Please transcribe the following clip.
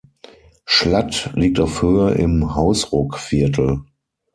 Schlatt liegt auf Höhe im Hausruckviertel.